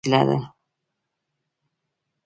آب وهوا د افغانانو د تفریح لپاره یوه وسیله ده.